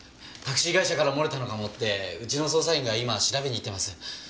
タクシー会社から漏れたのかもってうちの捜査員が今調べに行ってます。